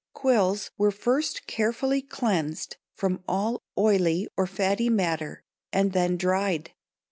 Quills were first carefully cleansed from all oily or fatty matter and then dried.